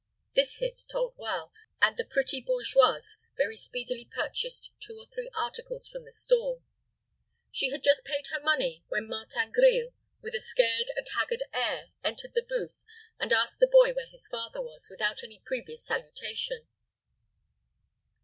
This hit told well, and the pretty bourgeoise very speedily purchased two or three articles from the stall. She had just paid her money, when Martin Grille, with a scared and haggard air, entered the booth, and asked the boy where his father was, without any previous salutation.